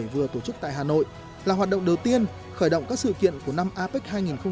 vừa tổ chức tại hà nội là hoạt động đầu tiên khởi động các sự kiện của năm apec hai nghìn hai mươi